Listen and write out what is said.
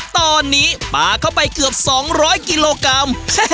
ตอนนี้ปลาเข้าไปเกือบ๒๐๐กิโลกรัม